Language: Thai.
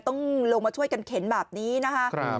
ต้องลงมาช่วยกันเข็นแบบนี้นะคะ